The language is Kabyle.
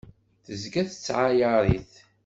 Tezga tettɛayaṛ-it.